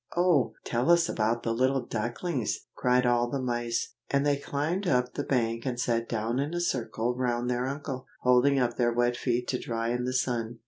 "Oh! tell us about the little ducklings!" cried all the mice. And they climbed up the bank and sat down in a circle round their uncle, holding up their wet feet to dry in the sun.